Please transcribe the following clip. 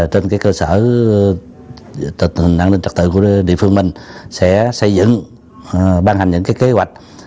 trên cơ sở an ninh trật tự của địa phương mình sẽ xây dựng ban hành những kế hoạch